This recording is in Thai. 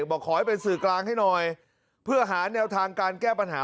บอกขอให้เป็นสื่อกลางให้หน่อยเพื่อหาแนวทางการแก้ปัญหา